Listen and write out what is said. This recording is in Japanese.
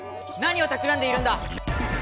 何をたくらんでいるんだ